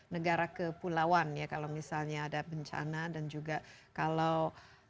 negara kepulauan ya kalau misalnya ada bencana dan juga kalau